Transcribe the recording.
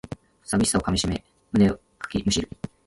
寂しさかみしめ胸かきむしる